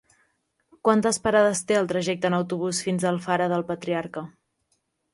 Quantes parades té el trajecte en autobús fins a Alfara del Patriarca?